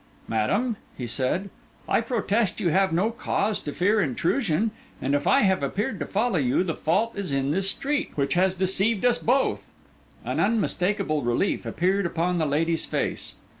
'Madam,' he said, 'I protest you have no cause to fear intrusion; and if I have appeared to follow you, the fault is in this street, which has deceived us both.' An unmistakable relief appeared upon the lady's face.